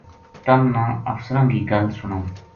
تَم نا افسراں کی گل سناوں